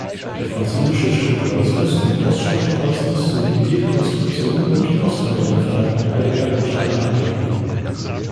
Der französische Strukturalismus und Poststrukturalismus sowie Dekonstruktion und Postmoderne verdanken Heidegger entscheidende Anregungen.